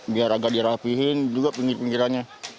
biar agak dirapihin juga pinggir pinggirannya